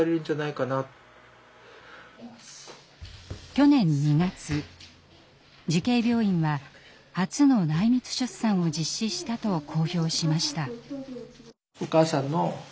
去年２月慈恵病院は初の内密出産を実施したと公表しました。